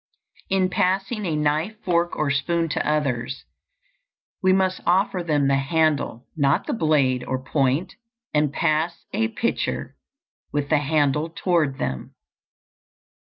In passing a knife, fork, or spoon to others, we must offer them the handle, not the blade or point, and pass a pitcher with the handle toward them.